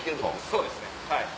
そうですねはい。